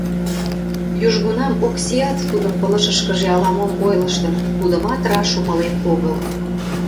Южгунам Оксиат тудын пылышышкыже ала-мом ойлыштын, тудымат раш умылен огыл.